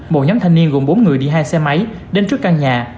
một nhóm thanh niên gồm bốn người đi hai xe máy đến trước căn nhà